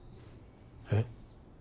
えっ！？